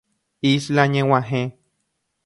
Isla ñeg̃uahẽ.